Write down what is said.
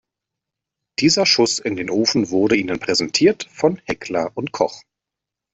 Dieser Schuss in den Ofen wurde Ihnen präsentiert von Heckler & Koch.